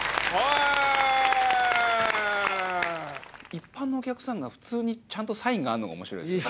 一般のお客さんが普通にちゃんとサインがあるのが面白いですよね。